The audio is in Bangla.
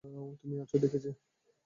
তুমিও আছো দেখছি।